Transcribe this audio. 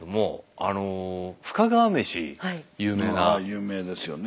ああ有名ですよね。